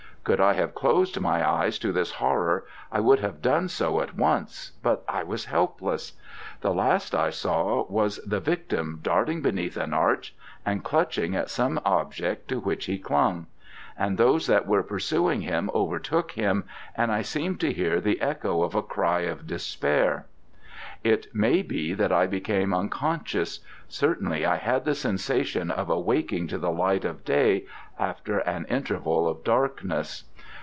Could I have closed my eyes to this horror, I would have done so at once, but I was helpless. The last I saw was the victim darting beneath an arch and clutching at some object to which he clung: and those that were pursuing him overtook him, and I seemed to hear the echo of a cry of despair. It may be that I became unconscious: certainly I had the sensation of awaking to the light of day after an interval of darkness.